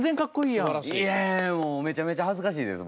いやいやもうめちゃめちゃ恥ずかしいです